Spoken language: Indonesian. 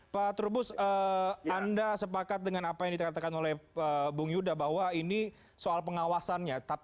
pak trubus anda sepakat dengan apa yang dikatakan oleh bung yuda bahwa ini soal pengawasannya